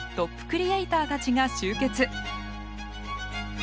クリエイターたちが集結。